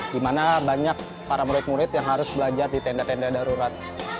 di mana banyak para murid murid yang harus belajar di tenda tenda darurat